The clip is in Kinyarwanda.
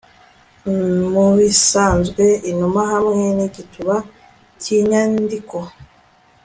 mubisanzwe inuma hamwe nigituba cyinyandiko